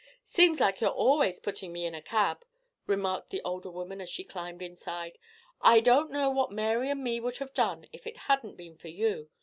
"Seems like you're always putting me in a cab," remarked the older woman as she climbed inside. "I don't know what Mary and me would have done if it hadn't been for you.